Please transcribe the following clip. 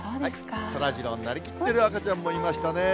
そらジローになりきってる赤ちゃんもいましたね。